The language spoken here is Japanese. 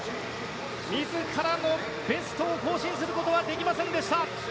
自らのベストを更新することはできませんでした。